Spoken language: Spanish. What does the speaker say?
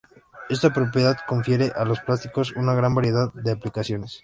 Esta propiedad confiere a los plásticos una gran variedad de aplicaciones.